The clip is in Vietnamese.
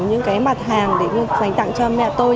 những cái mặt hàng để dành tặng cho mẹ tôi